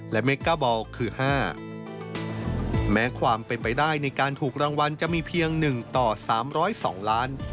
และเมก้าบอลคือ๕แม้ความเป็นไปได้ในการถูกรางวัลจะมีเพียง๑ต่อ๓๐๒ล้าน